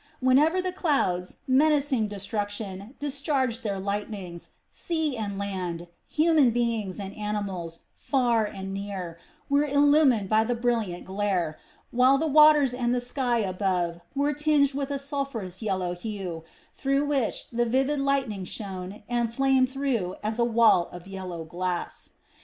Whenever the clouds, menacing destruction, discharged their lightnings, sea and land, human beings and animals, far and near, were illumined by the brilliant glare, while the waters and the sky above were tinged with a sulphurous yellow hue through which the vivid lightning shone and flamed as through a wall of yellow glass.